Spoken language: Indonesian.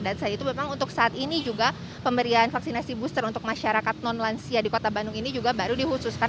dan saat itu memang untuk saat ini juga pemberian vaksinasi booster untuk masyarakat non lansia di kota bandung ini juga baru dihususkan